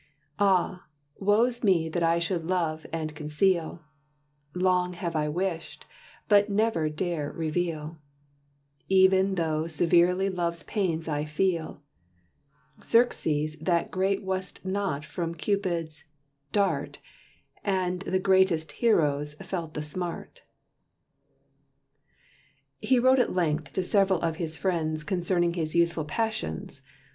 "Ah, woe's me that I should Love and conceal Long have I wished, but never dare reveal, Even though severely Love's Pains I feel; Xerxes that great wast not free from Cupid's Dart, And all the greatest Heroes felt the smart." He wrote at length to several of his friends concerning his youthful passions.